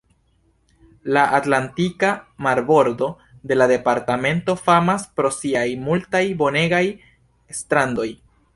La Atlantika marbordo de la departemento famas pro siaj multaj bonegaj strandoj.